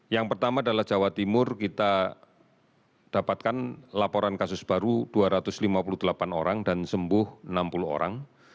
yang pertama adalah jawa timur kita dapatkan laporan kasus baru dua ratus lima puluh delapan orang dan sembuh enam puluh orang